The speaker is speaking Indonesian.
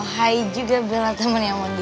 hai juga bella temennya mondi